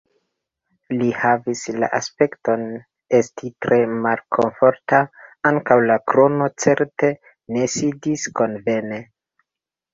Li havis la aspekton esti tre malkomforta; ankaŭ la krono certe ne sidis konvene.